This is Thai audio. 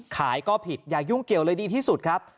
ขายก็ผิดอย่ายุ่งเกี่ยวเลยดีที่สุดครับ